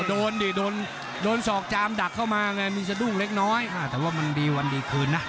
โดนดิดนโดนได้ดูกเล็กน้อยอ่าแต่ว่ามันดีวันดีคืนน่ะ